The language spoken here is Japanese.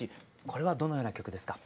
これはどのような曲ですか？